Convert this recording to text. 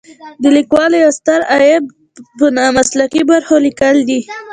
د لیکوالو یو ستر عیب په نامسلکي برخو لیکل دي.